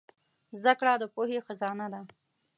زدهکړه د پوهې خزانه ده.